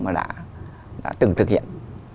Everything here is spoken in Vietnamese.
mà đã từng thực hiện